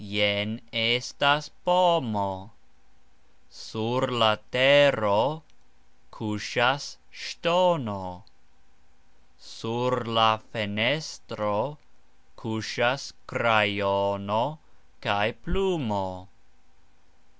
Jen estas pomo. Sur la tero kusxas sxtono. Sur la fenestro kusxas krajono kaj plumo.